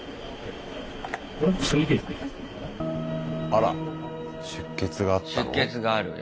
あら出血があったの？